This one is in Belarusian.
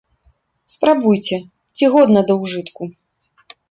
Спрабуйце, ці годна да ўжытку.